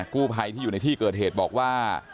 กู้ภัยที่อยู่ในที่เกิดเหตุบอกว่า